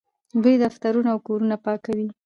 دوی دفترونه او کورونه پاکوي.